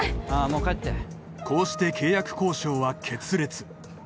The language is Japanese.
もう帰ってこうして契約交渉は決裂